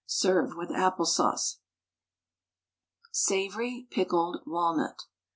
Serve with apple sauce. SAVOURY PICKLED WALNUT.